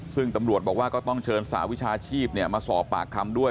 ซึ่งตำรวจบอกว่าก็ต้องเชิญสหวิชาชีพมาสอบปากคำด้วย